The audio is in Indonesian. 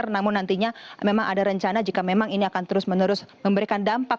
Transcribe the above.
namun nantinya memang ada rencana jika memang ini akan terus menerus memberikan dampak